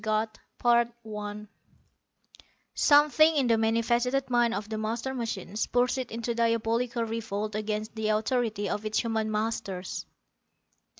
] [Sidenote: Something in the many faceted mind of the master machine spurs it to diabolical revolt against the authority of its human masters.